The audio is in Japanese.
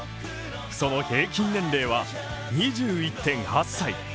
その平均年齢は、２１．８歳。